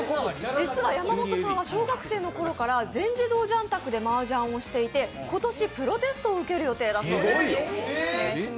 実は山本さんは小学生の頃から全自動ジャン卓でマージャンをしていて今年プロテストを受ける予定だそうです。